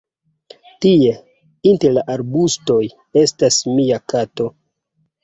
Tie, inter la arbustoj, estas mia kato.